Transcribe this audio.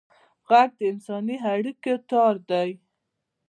غږ د انساني اړیکو تار دی